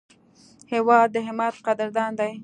هېواد د همت قدردان دی.